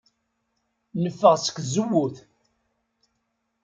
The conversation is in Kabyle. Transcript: Neffeɣ seg tzewwut.